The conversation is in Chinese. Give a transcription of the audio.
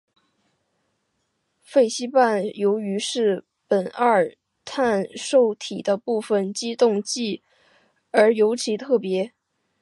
氟西泮由于是苯二氮受体的部分激动剂而尤其独特。